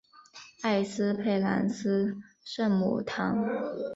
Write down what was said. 埃斯佩兰斯圣母堂。